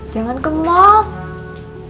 jangan ke mall